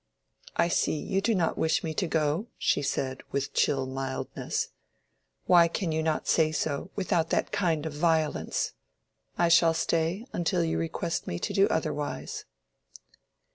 "I see you do not wish me to go," she said, with chill mildness; "why can you not say so, without that kind of violence? I shall stay until you request me to do otherwise."